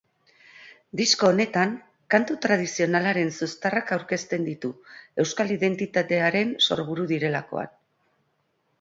Disko honetan kantu tradizionalaren zuztarrakaurkezten ditu, euskal identitatearen sorburu direlakoan.